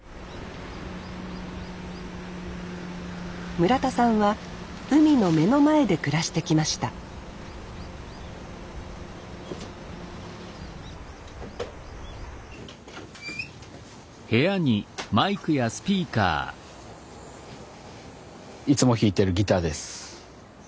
村田さんは海の目の前で暮らしてきましたいつも弾いてるギターです。